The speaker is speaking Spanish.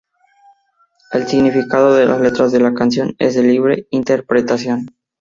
El significado de las letras de la canción es de libre interpretación.